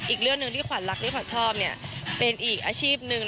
อีกเรื่องหนึ่งที่ขวัญรักที่ขวัญชอบเนี่ยเป็นอีกอาชีพหนึ่ง